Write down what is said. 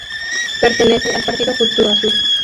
Pertenece al partido Futuro Azul.